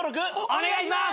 お願いします！